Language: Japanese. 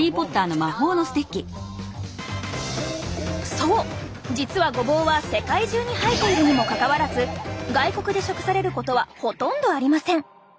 そう実はごぼうは世界中に生えているにもかかわらず外国で食されることはほとんどありません。